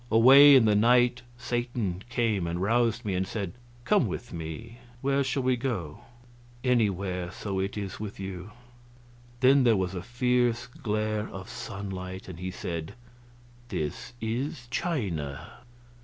Away in the night Satan came and roused me and said: "Come with me. Where shall we go?" "Anywhere so it is with you." Then there was a fierce glare of sunlight, and he said, "This is China."